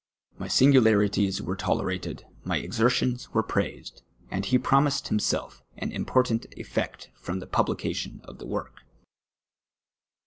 My singularities were tole rated, my exertions were praised, and he promised himself an important effect from the publication of the work.